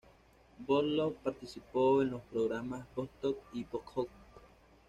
Vólkov participó en los programas Vostok y Vosjod.